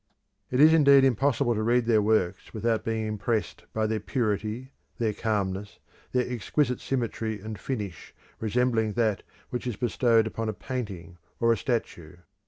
It is indeed impossible to read their works without being impressed by their purity, their calmness, their exquisite symmetry and finish resembling that which is bestowed upon a painting or a statue.